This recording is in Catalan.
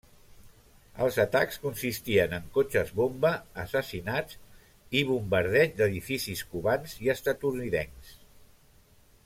Els atacs consistien en cotxes bomba, assassinats i bombardeig d'edificis cubans i estatunidencs.